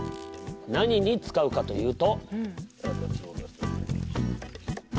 何に使うかというと。